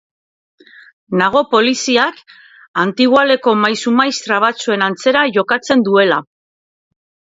Nago poliziak antigoaleko maisu-maistra batzuen antzera jokatzen duela.